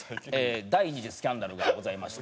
第２次スキャンダルがございまして。